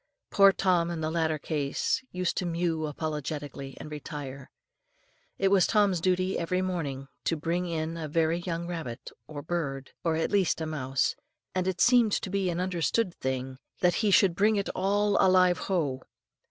Poor Tom in the latter case used to mew apologetically, and retire. It was Tom's duty every morning to bring in a very young rabbit, a bird, or at least a mouse, and it seemed to be an understood thing that he should bring it "all alive ho!"